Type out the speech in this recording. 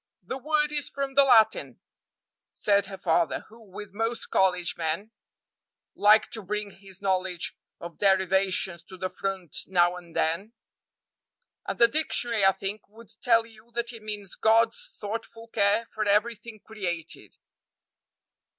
"The word is from the Latin," said her father, who, with most college men, liked to bring his knowledge of derivations to the front now and then, "and the dictionary, I think, would tell you that it means God's thoughtful care for everything created."